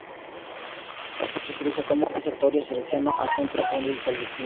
Por esta razón se utiliza como ""Oratorio Salesiano"" o ""Centro Juvenil Salesiano"".